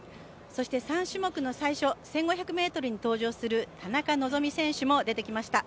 そして、３種目の最初１５００ｍに登場する田中希実選手も出てきました。